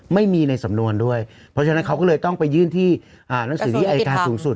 ในสำนวนด้วยเพราะฉะนั้นเขาก็เลยต้องไปยื่นที่หนังสือที่อายการสูงสุด